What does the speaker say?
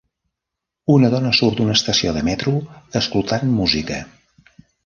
Una dona surt d'una estació de metro escoltant música.